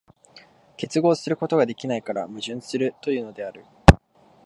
結合することができないから矛盾するというのである。